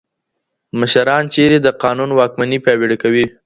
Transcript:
مشران چیري د قانون واکمني پیاوړي کوي؟